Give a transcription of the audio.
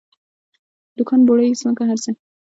دوکان بوړۍ ځمکې هر څه.